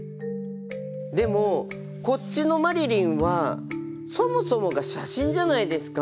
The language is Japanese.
でもこっちの「マリリン」はそもそもが写真じゃないですか。